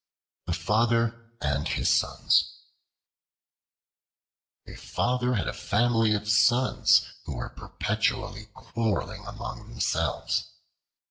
The Father And His Sons A FATHER had a family of sons who were perpetually quarreling among themselves.